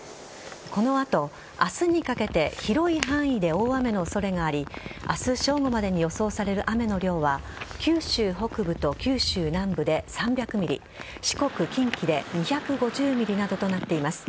この後、明日にかけて広い範囲で大雨の恐れがあり明日正午までに予想される雨の量は九州北部と九州南部で３００ｍｍ四国、近畿で２５０ｍｍなどとなっています。